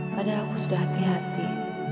padahal aku sudah hati hati